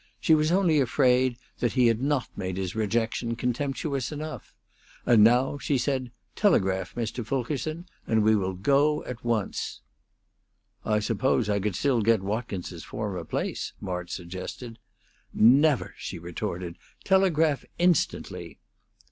She was only afraid that he had not made his rejection contemptuous enough. "And now," she said, "telegraph Mr. Fulkerson, and we will go at once." "I suppose I could still get Watkins's former place," March suggested. "Never!" she retorted. "Telegraph instantly!"